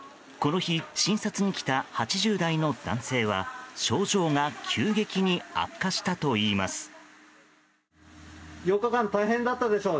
この日診察に来た８０代の男性は症状が急激に悪化したといいます。